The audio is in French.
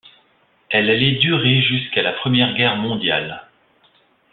Elle allait durer jusqu'à la Première Guerre mondiale.